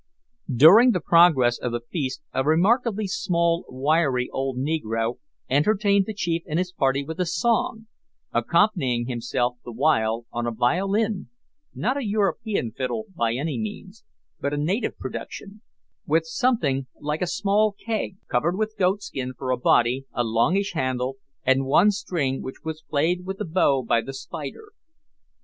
During the progress of the feast a remarkably small, wiry old negro, entertained the chief and his party with a song, accompanying himself the while on a violin not a European fiddle, by any means, but a native production with something like a small keg, covered with goatskin, for a body, a longish handle, and one string which was played with a bow by the "Spider."